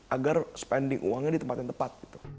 agar spending uangnya di tempat yang tepat